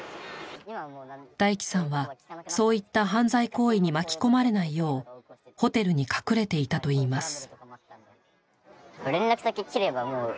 ダイキさんはそういった犯罪行為に巻き込まれないようホテルに隠れていたといいます。